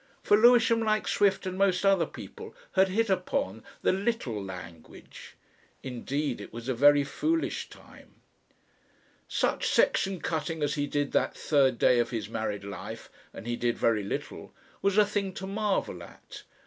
For Lewisham, like Swift and most other people, had hit upon, the Little Language. Indeed it was a very foolish time. Such section cutting as he did that third day of his married life and he did very little was a thing to marvel at.